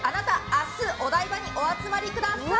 明日、お台場にお集まりください。